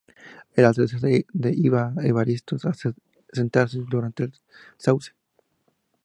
Al atardecer iba Evaristo a sentarse cerca del sauce.